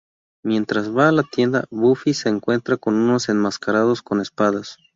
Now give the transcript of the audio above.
Mientras va a la tienda, Buffy se encuentra con unos enmascarados con espadas.